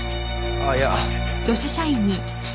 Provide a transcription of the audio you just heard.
ああいや。